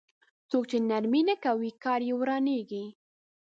څوک چې نرمي نه کوي کار يې ورانېږي.